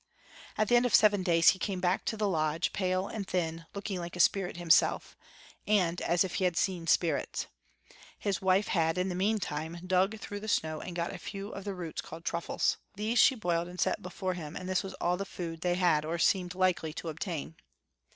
At the end of seven days he came back to the lodge, pale and thin, looking like a spirit himself, and as if he had seen spirits. His wife had in the meantime dug | through the snow and got a few of the roots called truffles. These she boiled and set before him, and this was all the food they had or seemed likely to obtain.